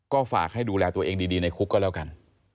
ก็ฝากให้ดูแลตัวเองดีในคุกก็แล้วกัน